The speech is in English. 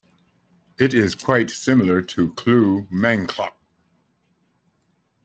It is quite similar to "kue mangkok".